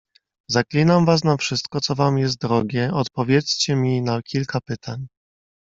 "Zaklinam was na wszystko, co wam jest drogie, odpowiedzcie mi na kilka pytań."